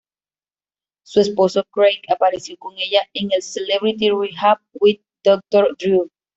Su esposo, Craig, apareció con ella en Celebrity Rehab with Dr. Drew.